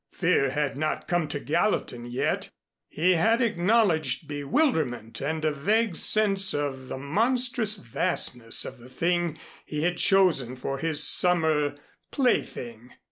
Fear had not come to Gallatin yet. He had acknowledged bewilderment and a vague sense of the monstrous vastness of the thing he had chosen for his summer plaything.